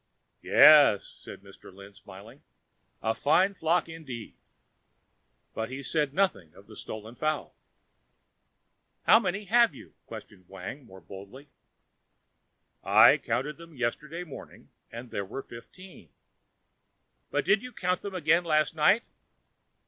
"Yes," said Mr. Lin smiling, "a fine flock indeed." But he said nothing of the stolen fowl. "How many have you?" questioned Wang more boldly. "I counted them yesterday morning and there were fifteen." "But did you count them again last night?"